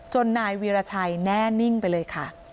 นายวีรชัยแน่นิ่งไปเลยค่ะ